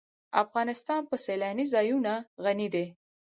افغانستان په سیلانی ځایونه غني دی.